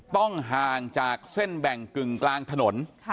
ต้องห่างจากเส้นแบ่งกึ่งกลางถนน